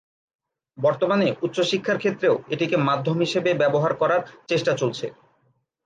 বর্তমানে উচ্চশিক্ষার ক্ষেত্রেও এটিকে মাধ্যম হিসেবে ব্যবহার করার চেষ্টা চলছে।